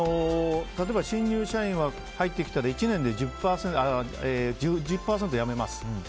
例えば新入社員は入ってきたら１年で１１％辞めます。